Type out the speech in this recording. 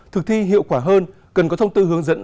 thực thi hiệu quả hơn cần có thông tư hướng dẫn